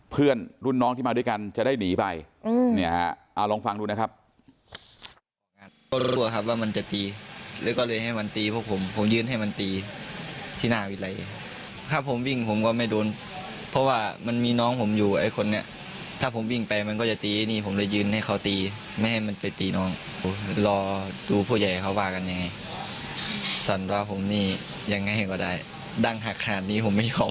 เพื่อนรุ่นน้องที่มาด้วยกันจะได้หนีไปเนี่ยฮะเอาลองฟังดูนะครับ